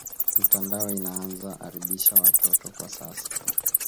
Mtandao inaanza aribisha wa toto kwa sasa